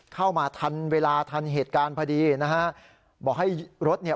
เข้ามาทันเวลาทันเหตุการณ์พอดี